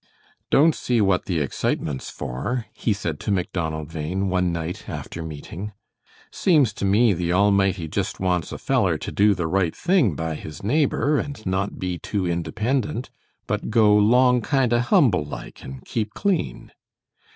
"Don't see what the excitement's for," he said to Macdonald Bhain one night after meeting. "Seems to me the Almighty just wants a feller to do the right thing by his neighbor and not be too independent, but go 'long kind o' humble like and keep clean.